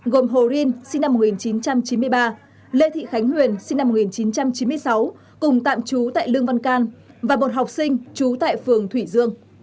gồm hồ rin sinh năm một nghìn chín trăm chín mươi ba lê thị khánh huyền sinh năm một nghìn chín trăm chín mươi sáu cùng tạm trú tại lương văn can và một học sinh trú tại phường thủy dương